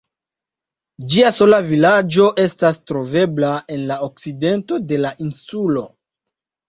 Ĝia sola vilaĝo estas trovebla en la okcidento de la insulo.